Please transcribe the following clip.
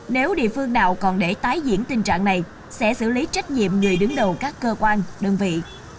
nếu địa phương nào còn để tái diễn tình trạng này sẽ xử lý trách nhiệm người đứng đầu các cơ quan đơn vị